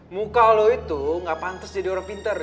muka lo itu gak pantas jadi orang pintar